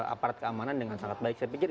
aparat keamanan dengan sangat baik saya pikir